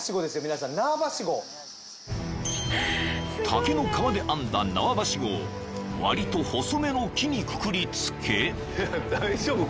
［竹の皮で編んだ縄ばしごをわりと細めの木にくくりつけ］